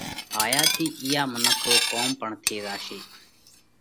هايا ٿِي اِيئا منک رو ڪوم پڻ ٿِي زاشي،